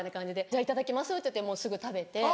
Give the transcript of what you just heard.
「じゃあいただきます」って言ってもうすぐ食べて。